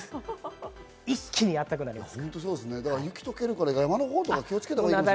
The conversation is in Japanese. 一気に暖かくなります。